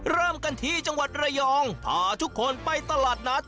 เริ่มกันที่จังหวัดระยองพาทุกคนไปตลาดนัด